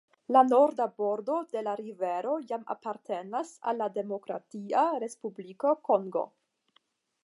La norda bordo de la rivero jam apartenas al la Demokratia Respubliko Kongo.